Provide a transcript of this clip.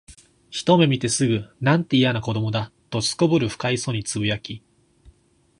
ひとめ見てすぐ、「なんて、いやな子供だ」と頗る不快そうに呟き、